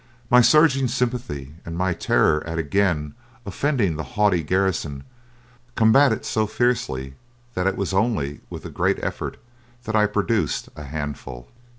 My surging sympathy, and my terror at again offending the haughty garrison, combated so fiercely that it was only with a great effort that I produced a handful.